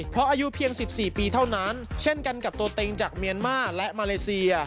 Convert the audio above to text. เพราะอายุเพียง๑๔ปีเท่านั้นเช่นกันกับตัวเต็งจากเมียนมาร์และมาเลเซีย